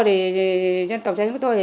thì nhân tổng chánh của tôi